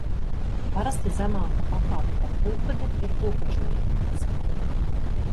Parasti zemāka pakāpe par pulkvedi ir pulkvežleitnants.